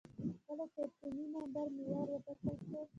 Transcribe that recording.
کله چې اتومي نمبر معیار وټاکل شو.